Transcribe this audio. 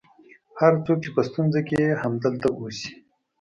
هر څوک چې په ستونزه کې یې همدلته اوسي.